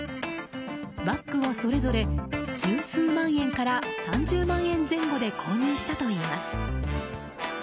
バッグはそれぞれ十数万円から３０万円前後で購入したといいます。